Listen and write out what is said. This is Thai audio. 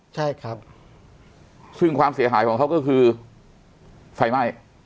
ใช่ครับซึ่งความเสียหายของเขาก็คือไฟไหม้